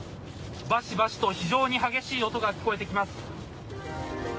バシバシと非常に激しい音が聞こえてきます。